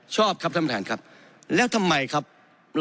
ตามน้ำหนุนกำหนดคือมากกว่า๕หมื่นชื่อ